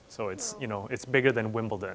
jadi itu lebih besar dari wimbledon